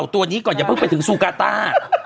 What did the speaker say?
ตัวนี้ก่อนอย่าเพิ่งไปถึงซูกาต้า